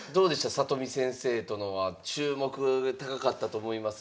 里見先生とのは注目が高かったと思いますが。